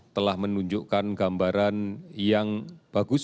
telah menunjukkan gambaran yang bagus